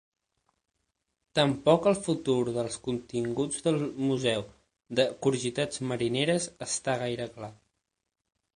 Tampoc el futur dels continguts del museu de curiositats marineres està gaire clar.